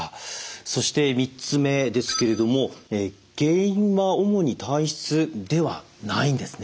そして３つ目ですけれども原因は主に体質ではないんですね。